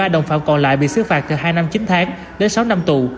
một mươi ba đồng phạm còn lại bị xứ phạt từ hai năm chín tháng đến sáu năm tù